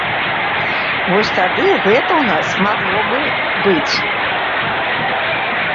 Вось тады гэта ў нас магло бы быць.